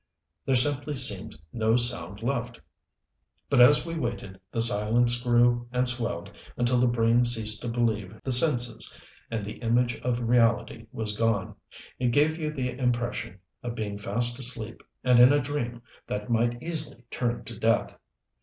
There simply seemed no sound left. But as we waited the silence grew and swelled until the brain ceased to believe the senses and the image of reality was gone. It gave you the impression of being fast asleep and in a dream that might easily turn to death.